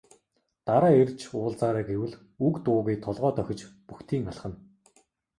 Дараа ирж уулзаарай гэвэл үг дуугүй толгой дохиж бөгтийн алхана.